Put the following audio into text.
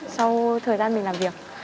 sau thời gian mình làm việc